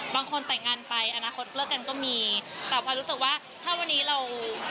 บางคนแต่งงานไปอนาคตเลิกกันก็มีแต่พลอยรู้สึกว่าถ้าวันนี้เรา